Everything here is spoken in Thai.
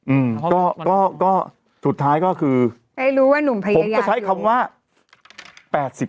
อืมก็ก็ก็สุดท้ายก็คือให้รู้ว่าหนุ่มพยายามผมก็ใช้คำว่าแปดสิบ